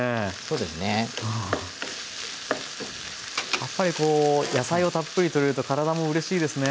やっぱりこう野菜をたっぷりとれると体もうれしいですね。